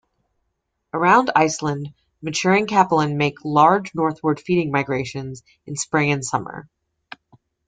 Around Iceland maturing capelin make large northward feeding migrations in spring and summer.